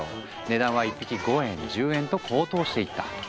値段は１匹５円１０円と高騰していった。